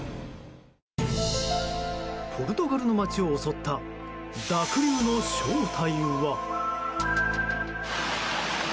ポルトガルの街を襲った濁流の正体は？